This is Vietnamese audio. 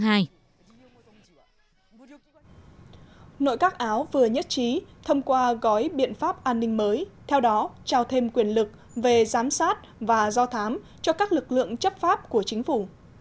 nội các áo vừa nhất trí thông qua gói biện pháp an ninh mới theo đó trao thêm quyền lực về giám sát và do thám cho các lực lượng chấp pháp của chính phủ